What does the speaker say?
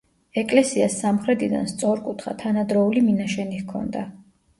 ეკლესიას სამხრეთიდან სწორკუთხა, თანადროული მინაშენი ჰქონდა.